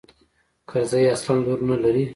کرزى اصلاً لور نه لري.